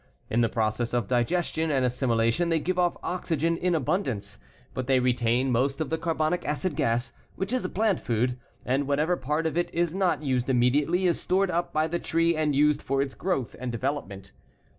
In the process of digestion and assimilation they give off oxygen in abundance, but they retain most of the carbonic acid gas, which is a plant food, and whatever part of it is not used immediately is stored up by the tree and used for its growth and development.